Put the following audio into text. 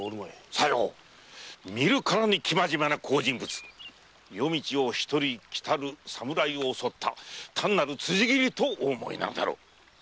さよう見るからに生真面目な好人物夜道を一人来たる侍を襲った単なる辻斬りとお思いなのだろう。